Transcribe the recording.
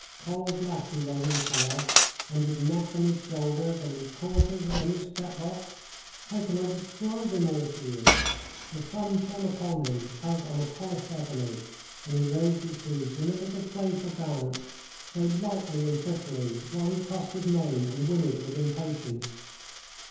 Coal black he was in colour, and his neck, and his shoulder, and his quarters, and his fetlocks how can I describe him all to you? The sun shone upon him as on polished ebony, and he raised his hoofs in a little playful dance so lightly and prettily, while he tossed his mane and whinnied with impatience.